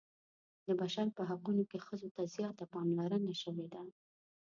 د بشر په حقونو کې ښځو ته زیاته پاملرنه شوې ده.